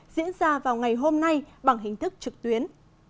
diễn ra vào ngày hôm nay bằng hình thức trực tuyến